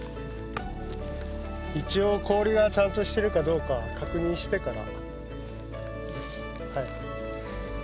一応氷がちゃんとしてるかどうか確認してから。